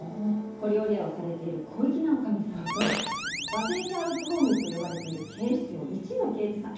小料理屋をされている小粋な女将さんと和製シャーロック・ホームズと呼ばれている警視庁イチの刑事さん。